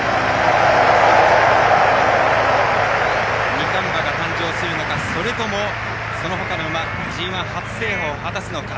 二冠馬が誕生するのかそれとも、そのほかの馬 ＧＩ 初制覇を果たすのか。